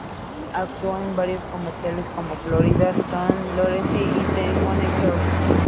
Actuó en varios comerciales, como Florida State Lottery y The Money Store.